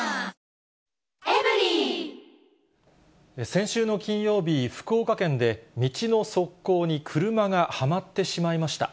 先週の金曜日、福岡県で道の側溝に車がはまってしまいました。